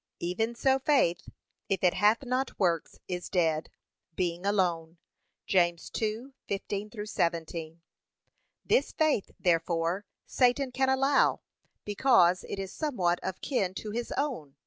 Even so faith, if it hath not works is dead, being alone.' (James 2:15 17) This faith, therefore, Satan can allow, because it is somewhat of kin to his own.